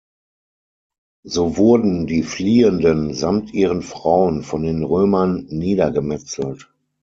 So wurden die Fliehenden samt ihren Frauen von den Römern niedergemetzelt.